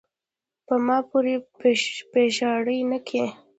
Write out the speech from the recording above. پۀ ما پورې پیشاړې نۀ کے ،